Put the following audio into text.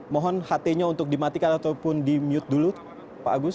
mohon ht nya untuk dimatikan ataupun di mute dulu pak agus